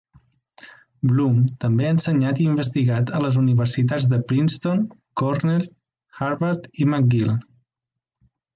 Bloom també ha ensenyat i investigat a les universitats de Princeton, Cornell, Harvard i McGill.